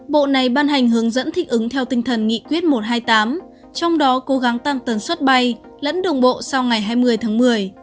bộ này ban hành hướng dẫn thích ứng theo tinh thần nghị quyết một trăm hai mươi tám trong đó cố gắng tăng tần suất bay lẫn đường bộ sau ngày hai mươi tháng một mươi